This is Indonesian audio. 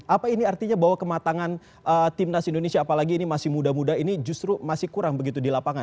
apa ini artinya bahwa kematangan timnas indonesia apalagi ini masih muda muda ini justru masih kurang begitu di lapangan